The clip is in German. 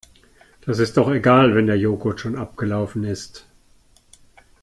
Das ist doch egal, wenn der Joghurt schon abgelaufen ist.